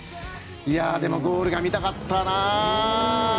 でもゴールが見たかったな。